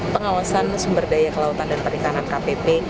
pengawasan sumber daya kelautan dan perikanan kpp